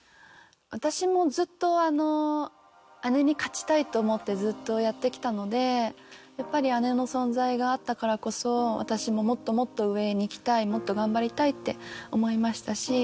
私もずっと。と思ってずっとやってきたのでやっぱり姉の存在があったからこそ私ももっともっと上にいきたいもっと頑張りたいって思いましたし。